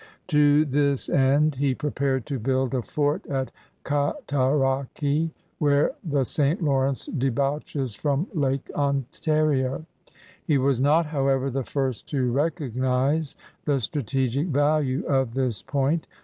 To this end he prepared to build a fort at Cataraqui where the St. Lawrence debouches from Lake Ontario. He was not, however, the first to recognize the strategic value of this point.